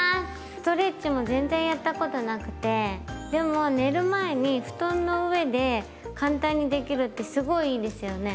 ストレッチも全然やったことなくてでも寝る前に布団の上で簡単にできるってすごいいいですよね。